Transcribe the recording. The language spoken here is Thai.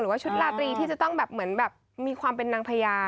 ว่าชุดลาตรีที่จะต้องแบบเหมือนแบบมีความเป็นนางพญา